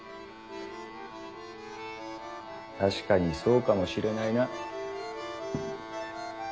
確かにそうかもしれないな。